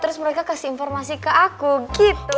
jadi mereka kasih informasi ke aku gitu